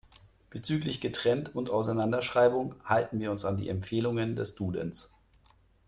Bezüglich Getrennt- und Auseinanderschreibung halten wir uns an die Empfehlungen des Dudens.